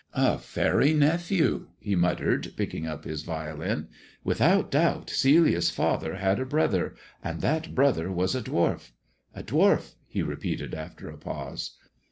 " A faery nephew," he muttered, picking up his violin. " Without doubt Celia's father had a brother, and that brother was a dwarf. A dwarf," he repeated after a pause.